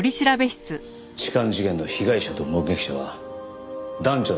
痴漢事件の被害者と目撃者は男女の関係でした。